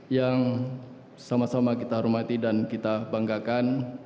yang sama sama kita hormati dan kita banggakan